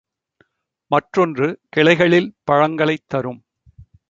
மற்றொன்று கிளைகளில் பழங்களைத் தரும்.